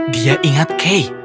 dia ingat kay